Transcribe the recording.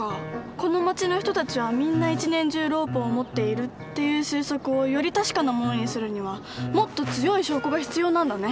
この町の人たちはみんな一年中ロープを持っているっていう推測をより確かなものにするにはもっと強い証拠が必要なんだね。